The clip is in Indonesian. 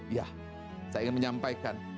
ya saya ingin menyampaikan